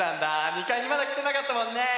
２かいにまだきてなかったもんね！